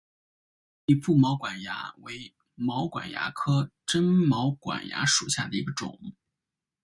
微粒腹毛管蚜为毛管蚜科真毛管蚜属下的一个种。